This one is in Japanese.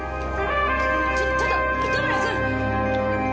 ちょちょっと糸村君！